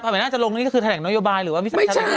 สำหรับอาจารงนี้ก็คือแถนกนโยบายหรือว่าวิศาลชาติ